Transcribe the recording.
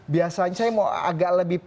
biasanya saya mau agak lebih